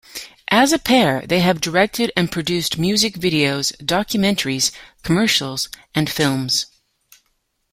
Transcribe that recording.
As a pair, they have directed and produced music videos, documentaries, commercials and films.